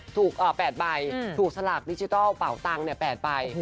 ถูก๘ใบถูกสลักดิจิทัลเป่าตังค์เนี่ย๘ใบ